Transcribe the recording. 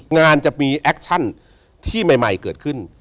งานจะมีแอคชั่นที่ใหม่เกิดขึ้น